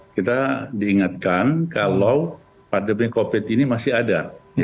kita diingatkan kalau pandemi covid ini masih ada